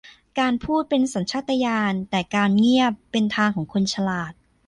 การพูดเป็นสัญชาตญาณ แต่การเงียบเป็นทางของคนฉลาด